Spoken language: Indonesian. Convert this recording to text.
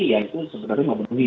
ya itu sebenarnya memenuhi